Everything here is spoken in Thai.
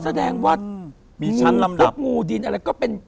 อ๋อแสดงวัดมีชั้นลำดับมีทรัพย์งูดินอะไรก็เป็น